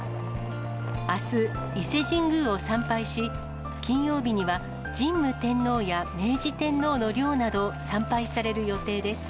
あす、伊勢神宮を参拝し、金曜日には神武天皇や明治天皇の陵など、参拝される予定です。